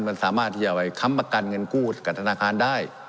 มันสามารถที่จะไปค้ำประกันเงินกู้กับธนาคารได้